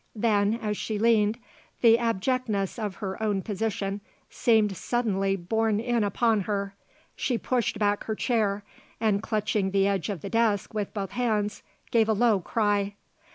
Then, as she leaned, the abjectness of her own position seemed suddenly borne in upon her. She pushed back her chair and clutching the edge of the desk with both hands, gave a low cry.